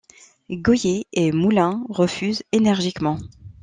Gohier et Moulin refusent énergiquement.